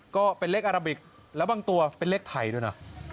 ก็เป็นเลขอาราบิกแล้วบางตัวเป็นเลขไทยด้วยนะ